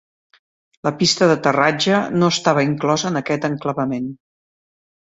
La pista d'aterratge no estava inclosa en aquest enclavament.